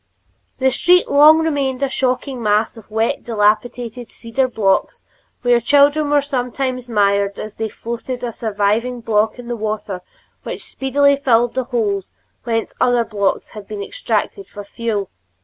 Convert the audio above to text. The street long remained a shocking mass of wet, dilapidated cedar blocks, where children were sometimes mired as they floated a surviving block in the water which speedily filled the holes whence other blocks had been extracted for fuel.